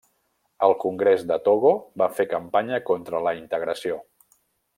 El Congrés de Togo va fer campanya contra la integració.